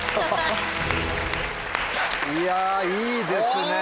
いやぁいいですね。